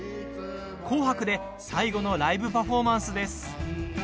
「紅白」で最後のライブパフォーマンスです。